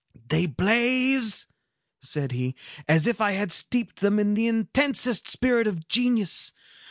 "They blaze," said he, "as if I had steeped them in the intensest spirit of genius.